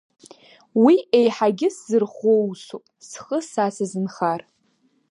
Уи еиҳагьы сзырӷәӷәо усуп, схы са сазынхар…